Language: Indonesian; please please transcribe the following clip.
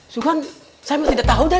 sungguh kan saya mah tidak tahu den